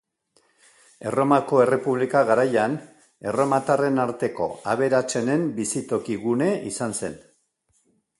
Erromako Errepublika garaian, erromatarren arteko aberatsenen bizitoki gune izan zen.